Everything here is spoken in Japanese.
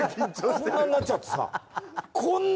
こんなんなっちゃってさ。